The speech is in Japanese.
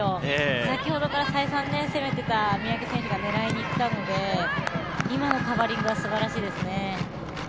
先ほどから再三攻めてた三宅選手が狙いにいったので今のカバーリングはすばらしいですね。